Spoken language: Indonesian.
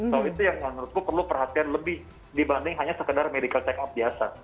so itu yang menurutku perlu perhatian lebih dibanding hanya sekedar medical check up biasa